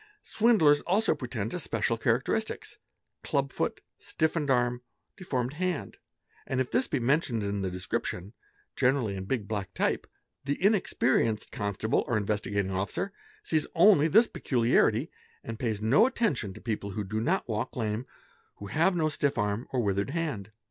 Swindlers also pretend to special characteristics, clubfoot, stiffened arm, deformed hand ; and if this be mentioned in the description, generally in big black type, the inexperienced constable or Investigating Officer sees only this peculiarity and pays no attention to people who do not walk — lame, who have no stiff arm or withered hand.